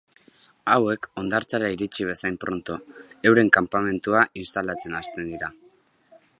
Hauek, hondartzara iritsi bezain pronto, euren kanpamentua instalatzen hasten dira.